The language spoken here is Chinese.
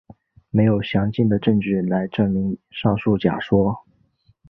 没有详尽的证据来证明上述假说。